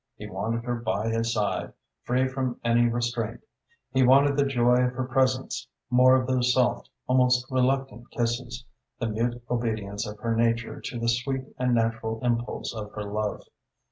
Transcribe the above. He wanted her by his side, free from any restraint. He wanted the joy of her presence, more of those soft, almost reluctant kisses, the mute obedience of her nature to the sweet and natural impulse of her love.